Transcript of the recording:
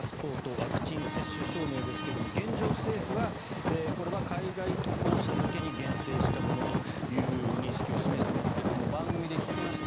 ワクチン接種証明ですが現状、政府はこれは海外渡航者向けに限定したものという認識を示していますが番組で聞きました。